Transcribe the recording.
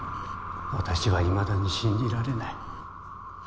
私は未だに信じられない。